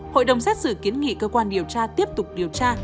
hội đồng xét xử kiến nghị cơ quan điều tra tiếp tục điều tra